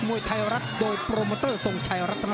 มวยไทยรัฐโดยโปรโมเมอเตอร์